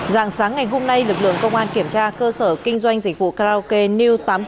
giảng sáng ngày hôm nay lực lượng công an kiểm tra cơ sở kinh doanh dịch vụ karaoke new tám mươi sáu